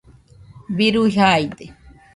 birui jaide